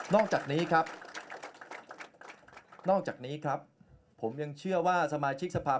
อกจากนี้ครับนอกจากนี้ครับผมยังเชื่อว่าสมาชิกสภาพ